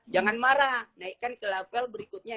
jangan marah naikkan ke label berikutnya